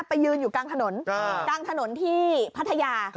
ไปยืนอยู่กลางถนนที่พัทยา